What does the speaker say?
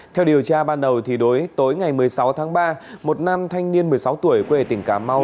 theo điều tra ban đầu thì đối tối ngày một mươi sáu tháng ba một nam thanh niên một mươi sáu tuổi quê tỉnh cà mau